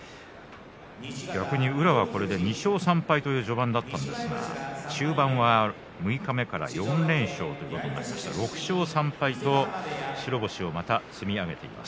逆に宇良は２勝３敗という序盤だったんですが中盤は六日目から４連勝となり６勝３敗と白星をまた積み上げています。